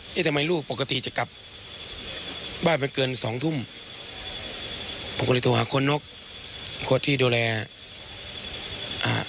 เนี่ยแต่ไม่รู้ปกติจะกลับบ้านไปเกินสองทุ่มผมก็เลยโทรหาโค้นนกโค้ดที่ดูแลอ่า